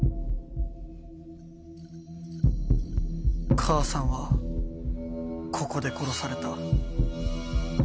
母さんはここで殺された。